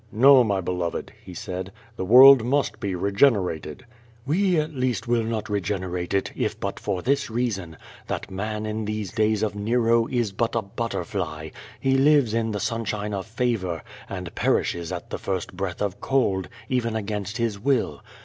"No, my beloved,'' he said, "the world must be regener ated/' "We at least will not regenerate it, if but for this reason, that man in these days of Xero, is but a butterfly — he lives in the sunshine of favor, and perishes at the first breath of cold, even against his will.